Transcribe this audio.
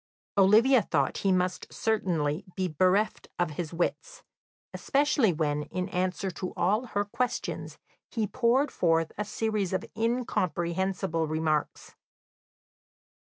Olivia thought he must certainly be bereft of his wits, especially when, in answer to all her questions, he poured forth a series of incomprehensible remarks.